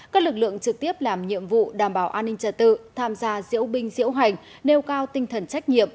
các lực lượng trực tiếp làm nhiệm vụ đảm bảo an ninh trật tự tham gia diễu binh diễu hành nêu cao tinh thần trách nhiệm